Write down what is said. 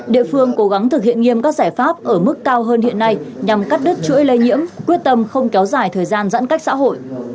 địa phương cố gắng thực hiện nghiêm các giải pháp ở mức cao hơn hiện nay nhằm cắt đứt chuỗi lây nhiễm quyết tâm không kéo dài thời gian giãn cách xã hội